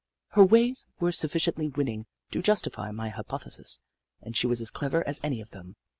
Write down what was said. Her ways were sufficiently winning to justify my hypothesis, and she was as clever as any of them.